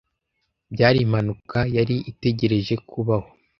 Byari impanuka yari itegereje kubaho.